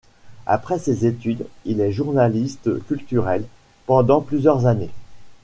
Après ses études, il y est journaliste culturel pendant plusieurs années.